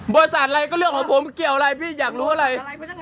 อะไรก็เรื่องของผมเกี่ยวอะไรพี่อยากรู้อะไร